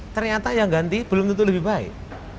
ternyata yang ganti belum tentu lebih baik